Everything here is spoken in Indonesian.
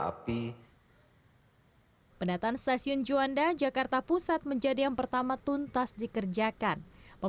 kami berkolaborasi untuk mengintegrasikan seluruh moda transportasi kereta api